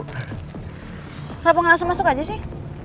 kenapa nggak langsung masuk aja sih